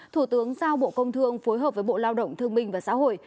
thủ tướng giao bộ công thương phối hợp với bộ lao động thương minh và xã hội